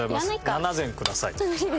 ７膳ください。